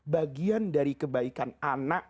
bagian dari kebaikan anak